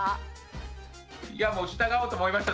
いやもう従おうと思いました